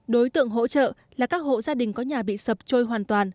đối tượng hỗ trợ là các hộ gia đình có nhà bị sập trôi hoàn toàn